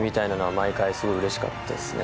毎回すごいうれしかったですね。